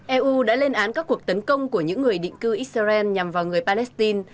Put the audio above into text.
eu đã lên án các cuộc tấn công của những người định cư israel nhằm vào người palestine